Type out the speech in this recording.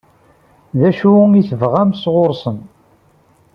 D acu i tebɣam sɣur-sen?